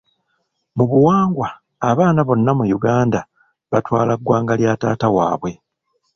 Mu buwangwa, abaana bonna mu Uganda batwala ggwanga lya taata waabwe.